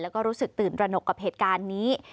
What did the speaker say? แล้วก็รู้สึกตื่นตระหนกกับเหตุการณ์นี้